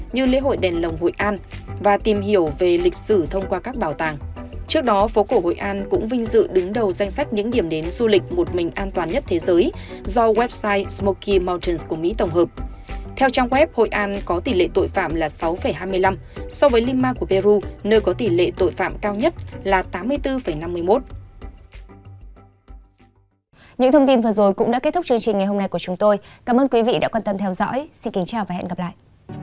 những thông tin vừa rồi cũng đã kết thúc chương trình ngày hôm nay của chúng tôi cảm ơn quý vị đã quan tâm theo dõi xin kính chào và hẹn gặp lại